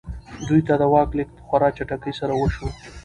دوی ته د واک لېږد په خورا چټکۍ سره وشو.